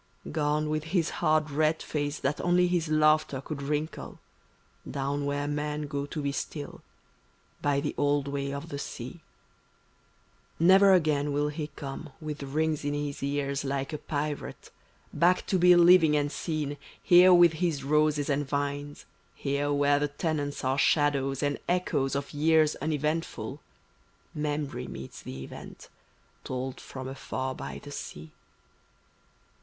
Gone with his hard red face that only his laughter could wrinkle, Down where men go to be still, by the old way of the |59| Never again will he come, with rings in his ears like a pirate, Back to be living and seen, here with his roses and vines; Here where the tenants are shadows and echoes of years uneventful, Memory meets the event, told from afar by the sea.